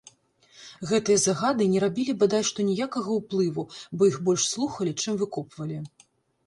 Гэтыя загады не рабілі бадай што ніякага ўплыву, бо іх больш слухалі, чым выкопвалі.